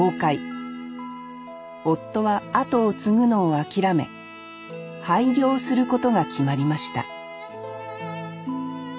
夫は後を継ぐのを諦め廃業することが決まりました